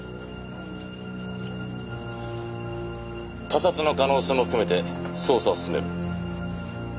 他殺の可能性も含めて捜査を進める。